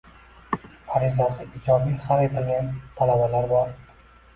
Arizasi ijobiy hal etilgan talabalar bor.